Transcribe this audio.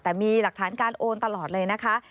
แต่มีหลักฐานการโอนตลอดเลยนะคะ